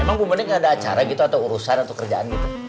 emang bener gak ada acara gitu atau urusan atau kerjaan gitu